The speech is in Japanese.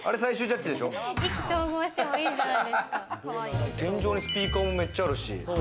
意気投合してもいいじゃない天井にスピーカーもめっちゃあるし。